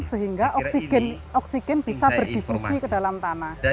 sehingga oksigen bisa berdifusi ke dalam tanah